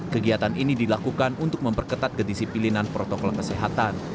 kegiatan ini dilakukan untuk memperketat kedisi pilihanan protokol kesehatan